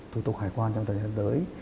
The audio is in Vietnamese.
thủ tục hải quan trong thời gian tới